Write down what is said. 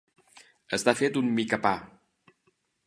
Estar fet un micapà.